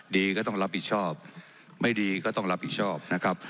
ดีก็ต้องรับผิดชอบไม่ดีก็ต้องรับผิดชอบนะครับ